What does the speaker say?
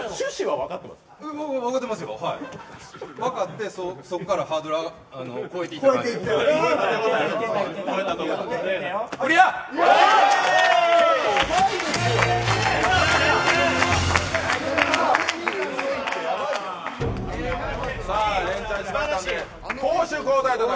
分かって、そこからハードル超えていかな。